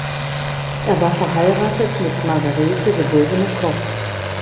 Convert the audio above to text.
Er war verheiratet mit Margarethe geborene Koch.